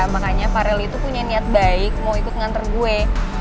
makanya farel itu punya niat baik mau ikut nganter gue